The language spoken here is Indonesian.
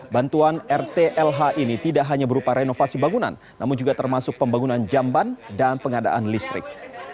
bantuan rtlh ini tidak hanya berupa renovasi bangunan namun juga termasuk pembangunan jamban dan pengadaan listrik